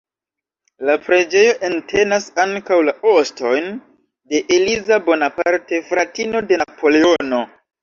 La preĝejo entenas ankaŭ la ostojn de Eliza Bonaparte, fratino de Napoleono.